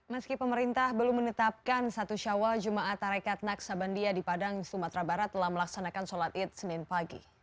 meski pemerintah belum menetapkan satu syawal jemaah tarekat naksabandia di padang sumatera barat telah melaksanakan sholat id senin pagi